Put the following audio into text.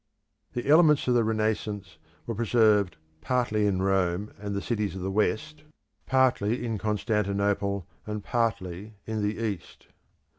The elements of the Renaissance were preserved partly in Rome and the cities of the West, partly in Constantinople, and partly in the East.